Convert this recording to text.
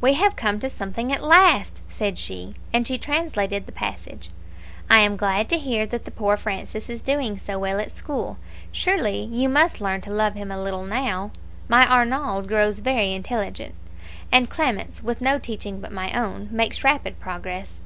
"We have come to something at last," said she, and she translated the passage, "'I am glad to hear that the poor Francis is doing so well at school surely you must learn to love him a little now. My Arnauld grows very intelligent; and Clemence, with no teaching but my own, makes rapid progress.'